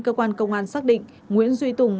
cơ quan công an xác định nguyễn duy tùng